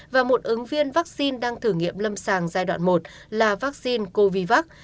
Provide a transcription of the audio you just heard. và một ứng viên vaccine đang thử nghiệm lâm sàng giai đoạn một là vaccine covid